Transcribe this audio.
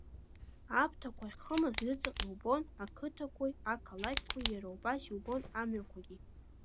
Аԥҭақәа ахьхымыз рыҵаҟа иубон ақыҭақәеи ақалақьқәеи иара убас иубон амҩақәагьы.